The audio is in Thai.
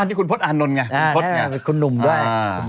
อันนี้คุณพศอานนนไงคุณพศไงเป็นคนหนุ่มด้วย